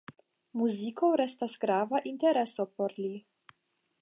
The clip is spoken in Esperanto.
Muziko restas grava intereso por li.